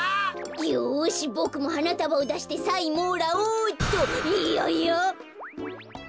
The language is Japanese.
よしボクもはなたばをだしてサインもらおうっと。ややっ！